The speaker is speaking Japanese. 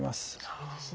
そうですね。